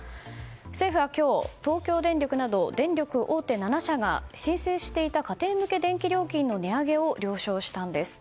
政府は今日、東京電力など電力大手７社が申請していた家庭向け電気料金の値上げを了承したんです。